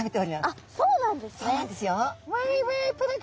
あっそうなんですね。